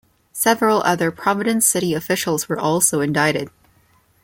Several other Providence city officials were also indicted.